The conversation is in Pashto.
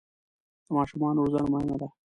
د ماشومانو روزنه مهمه ده.